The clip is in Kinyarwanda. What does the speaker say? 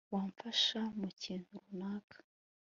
Wamfasha mukintu runaka